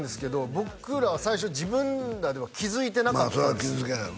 僕らは最初自分らでは気づいてなかったんですよ